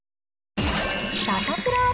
サタプラ。